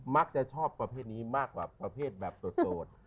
มักจะชอบประเภทนี้มากกว่าประเภทแบบโสด